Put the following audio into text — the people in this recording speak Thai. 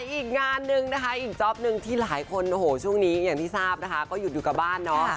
อีกงานนึงอีกจอบนึงที่หลายคนช่วงนี้อยู่กับบ้าน